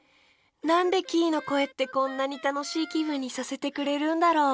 なんでキイのこえってこんなにたのしいきぶんにさせてくれるんだろう。